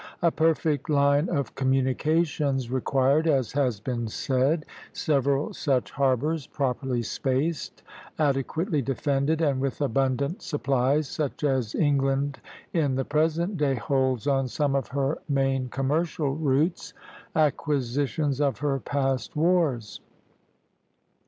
A perfect line of communications required, as has been said, several such harbors, properly spaced, adequately defended, and with abundant supplies, such as England in the present day holds on some of her main commercial routes, acquisitions of her past wars.